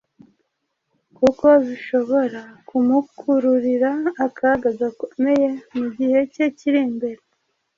kuko bishobora kumukururira akaga gakomeye mu gihe ke kiri imbere.